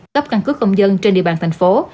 cấp căn cước công dân trên địa bàn thành phố